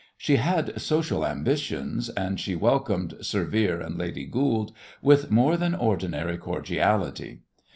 She had social ambitions, and she welcomed "Sir Vere and Lady Goold" with more than ordinary cordiality.